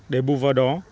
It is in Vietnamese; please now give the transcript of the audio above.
để bù vào đó